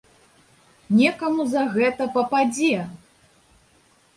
Некаму за гэта пападзе!